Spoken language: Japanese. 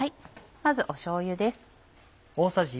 まずしょうゆです。